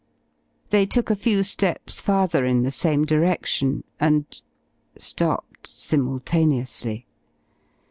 They took a few steps farther in the same direction and stopped simultaneously.